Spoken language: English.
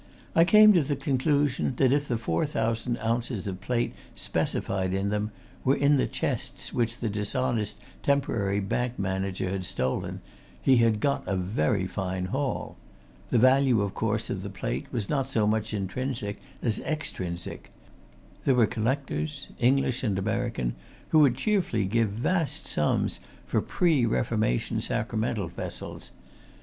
I came to the conclusion that if the four thousand ounces of plate specified in them were in the chests which the dishonest temporary bank manager had stolen, he had got a very fine haul: the value, of course, of the plate, was not so much intrinsic as extrinsic: there were collectors, English and American, who would cheerfully give vast sums for pre Reformation sacramental vessels.